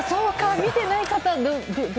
見てない方も。